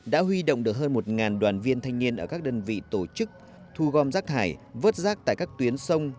đã huy động được hơn một đoàn viên thanh niên ở các đơn vị tổ chức thu gom rác thải vớt rác tại các tuyến sông